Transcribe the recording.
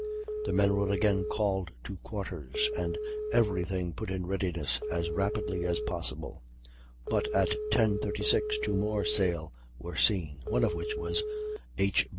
The men were again called to quarters, and every thing put in readiness as rapidly as possible; but at 10.36 two more sail were seen (one of which was H.